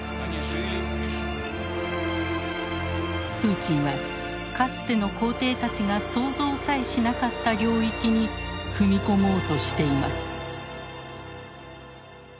プーチンはかつての皇帝たちが想像さえしなかった領域に踏み込もうとしています。